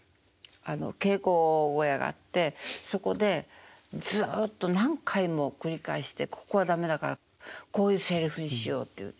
あの稽古小屋があってそこでずっと何回も繰り返して「ここは駄目だからこういうセリフにしよう」っていう。